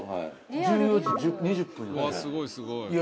１４時２０分や。